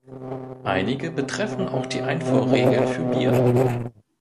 Einige betreffen auch die Einfuhrregeln für Bier.